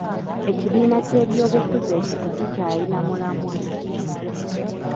Ekibiina ky'ebyobufuzi ekyo tekikyayina mulamwa.